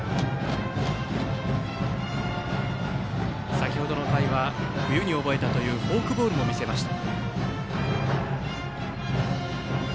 先程の回は冬に覚えたというフォークボールも見せました。